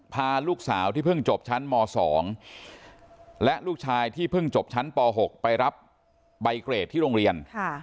พาลูกสาวที่เพิ่งจบชั้นม๒และลูกชายที่เพิ่งจบชั้นป๖ไปรับใบเกรดที่โรงเรียน